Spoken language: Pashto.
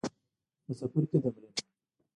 د څپرکي تمرین